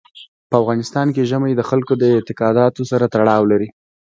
په افغانستان کې ژمی د خلکو د اعتقاداتو سره تړاو لري.